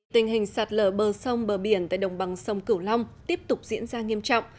tình hình sạt lở bờ sông bờ biển tại đồng bằng sông cửu long tiếp tục diễn ra nghiêm trọng